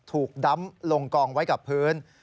ถูกดำลงกองไว้กับพื้น